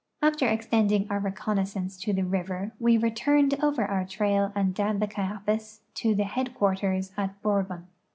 After extending our reconnaissance to the river we returned over our trail and down the Cayapas to the headquarters at Bor bon.